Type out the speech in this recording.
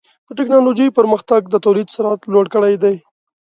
د ټکنالوجۍ پرمختګ د تولید سرعت لوړ کړی دی.